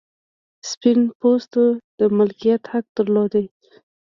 سپین پوستو د مالکیت حق درلود.